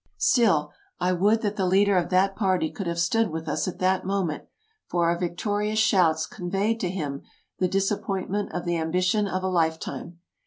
Still, I would that the leader of that party could have stood with us at that moment, for our victorious shouts con veyed to him the disappointment of the ambition of a life time.